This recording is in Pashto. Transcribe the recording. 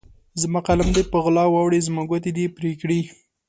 زما قلم دې په غلا وړی، زما ګوتې دي پرې کړي